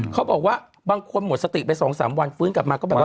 เขาบอกว่าบางคนหมดสติไป๒๓วันฟื้นกลับมาก็แบบว่า